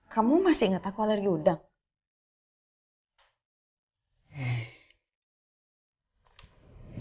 kamu masih nggak takut alergi udang